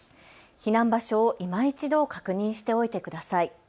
避難場所をいま一度確認しておいてください。